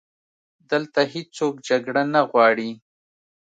دلته هیڅوک جګړه نه غواړي